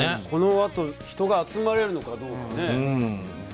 このあと人が集まれるのかね。